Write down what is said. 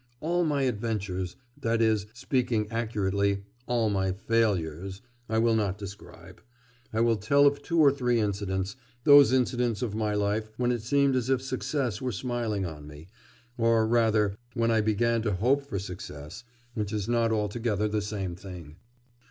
All my adventures that is, speaking accurately, all my failures, I will not describe. I will tell of two or three incidents those incidents of my life when it seemed as if success were smiling on me, or rather when I began to hope for success which is not altogether the same thing...